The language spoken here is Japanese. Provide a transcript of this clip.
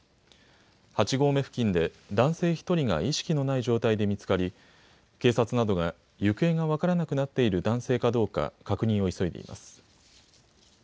８合目付近で男性１人が意識のない状態で見つかり警察などが行方が分からなくなっている男性かどうか確認を急いでいます。